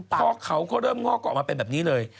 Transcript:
พอเขาก็เริ่มงอกก็ออกมาเป็นแบบนี้เลย